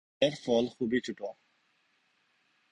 এর ফুল খুবই ছোট।